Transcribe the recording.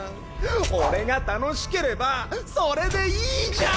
俺が楽しければそれでいいじゃん！